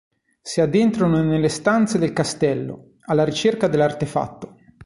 Si addentrano nelle stanze del castello, alla ricerca dell'artefatto.